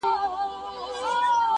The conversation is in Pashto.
• شعرونه نور ورته هيڅ مه ليكه.